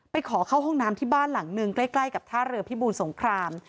ขอเข้าห้องน้ำที่บ้านหลังหนึ่งใกล้กับท่าเรือพิบูรสงคราม